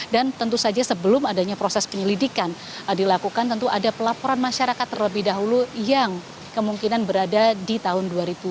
dan tentu saja sebelum adanya proses penyelidikan dilakukan tentu ada pelaporan masyarakat terlebih dahulu yang kemungkinan berada di tahun dua ribu dua puluh dua